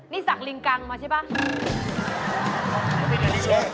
นี่สักลิงกังมาใช่ป่ะ